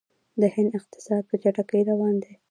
د هند اقتصاد په چټکۍ روان دی.